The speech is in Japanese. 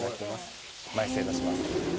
前失礼いたします。